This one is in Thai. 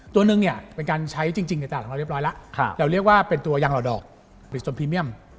ตัวนึงเป็นการใช้จริงในตระหนักเรียบร้อยแล้วเราเรียกว่าเป็นตัวยางหล่อดอกผลิตสมพิเมียม